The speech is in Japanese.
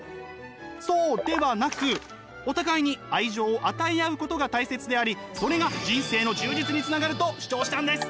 そうではなくお互いに愛情を与え合うことが大切でありそれが人生の充実につながると主張したんです。